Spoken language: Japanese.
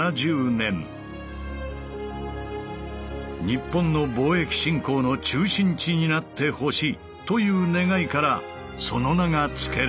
日本の貿易振興の中心地になってほしいという願いからその名が付けられた。